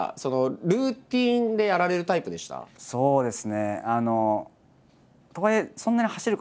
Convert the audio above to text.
そうですね。